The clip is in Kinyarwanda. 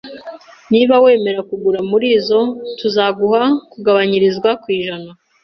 Niba wemeye kugura muri zo, tuzaguha kugabanyirizwa ku ijana